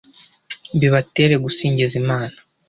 bibatere gusingiza imana